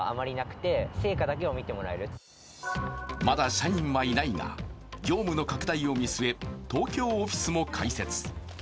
まだ社員はいないが、業務の拡大を見据え、東京オフィスも開設。